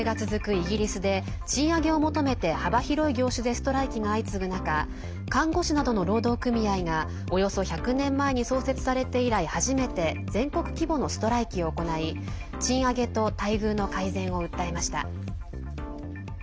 イギリスで賃上げを求めて幅広い業種でストライキが相次ぐ中看護師などの労働組合がおよそ１００年前に創設されて以来初めて全国規模のストライキを行い賃上げと待遇の改善を訴えました。